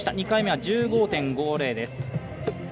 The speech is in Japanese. ２回目は１５．５０です。